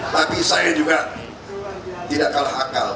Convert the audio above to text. tapi saya juga tidak kalah akal